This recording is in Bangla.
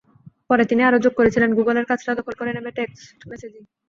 পরে তিনি আরও যোগ করেছিলেন, গুগলের কাজটা দখল করে নেবে টেক্সট মেসেজিং।